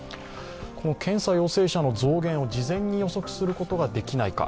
この検査陽性者の増減を事前に予測することができないか。